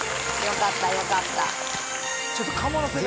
よかったよかった。